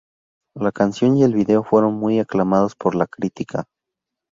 La canción y el video fueron muy aclamados por la crítica.